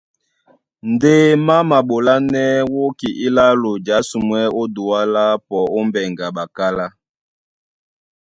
Ndé má maɓolánɛ́ wóki ílálo jǎsumwɛ́ ó Duala, pɔ ó mbɛŋgɛ a ɓakálá.